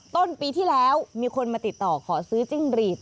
ต้นปีที่แล้วมีคนมาติดต่อขอซื้อจิ้งรีด